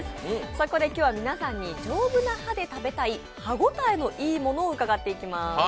そこで今日は皆さんに丈夫な歯で食べたい歯応えのいいものを伺っていきます。